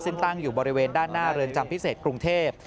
ซึ่งตั้งอยู่บริเวณด้านหน้าเรือนจำพิเศษกรุงเทพ